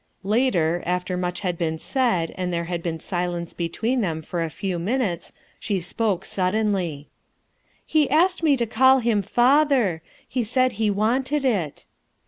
Later,, after much had been said and there had been silence between them for a few minutes, she spoke suddenly :— "He asked me to call him 'father/ h*e said he wanted it."